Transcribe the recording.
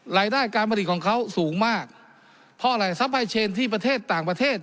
รายได้การผลิตของเขาสูงมากเพราะอะไรทรัพยเชนที่ประเทศต่างประเทศ